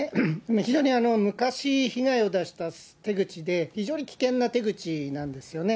非常に昔、被害を出した手口で、非常に危険な手口なんですよね。